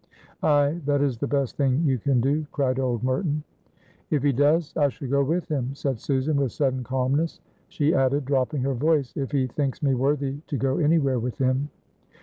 "Ay, that is the best thing you can do," cried old Merton. "If he does, I shall go with him," said Susan, with sudden calmness. She added, dropping her voice, "If he thinks me worthy to go anywhere with him."